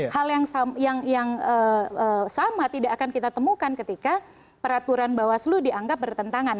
hal yang sama tidak akan kita temukan ketika peraturan bawaslu dianggap bertentangan